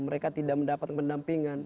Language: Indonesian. mereka tidak mendapat pendampingan